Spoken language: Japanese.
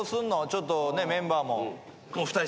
ちょっとメンバーも。